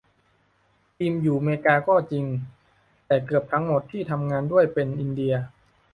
ทีมอยู่เมกาก็จริง แต่เกือบหมดที่ทำงานด้วยเป็นอินเดีย